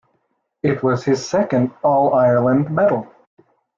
It was his second All-Ireland medal.